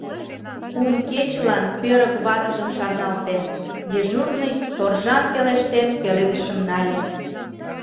— Кум кечылан пӧрык ватыжым шарналтен! — дежурный, торжан пелештен, пеледышым нале.